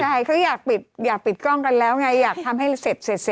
ใช่เขาอยากปิดกล้องกันแล้วไงอยากทำให้เสร็จ